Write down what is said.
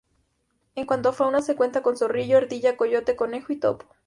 En cuanto a fauna se cuenta con zorrillo, ardilla, coyote, conejo y topo.